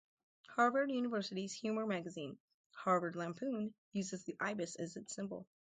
Harvard University's humor magazine, "Harvard Lampoon", uses the ibis as its symbol.